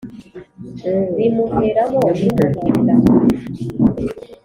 rimuheramo n' umuhunda :